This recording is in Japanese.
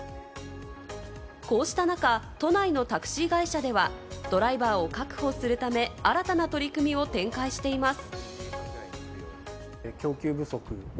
こうした中、都内のタクシー会社ではドライバーを確保するため、新たな取り組みを展開しています。